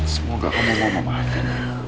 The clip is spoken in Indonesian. semoga kamu mau memaafin